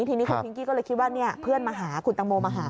ทีนี้คุณพิงกี้ก็เลยคิดว่าเพื่อนมาหาคุณตังโมมาหา